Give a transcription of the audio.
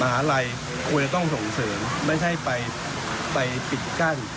หาลัยควรจะต้องส่งเสริมไม่ใช่ไปปิดกั้น